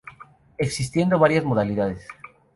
Existiendo varias modalidades.